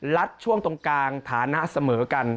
ช่วงตรงกลางฐานะเสมอกัน